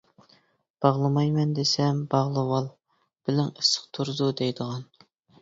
باغلىمايمەن دېسەم، باغلىۋال، بىلىڭ ئىسسىق تۇرىدۇ دەيدىغان.